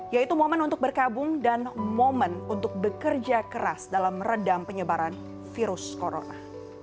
yaitu momen untuk berkabung dan momen untuk bekerja keras dalam meredam penyebaran virus corona